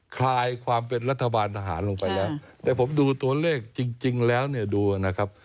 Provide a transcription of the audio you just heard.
คลายความเป็นรัฐบาลทหารลงไปแล้วแต่ผมดูตัวเลขจริงแล้วเนี่ยดูนะครับ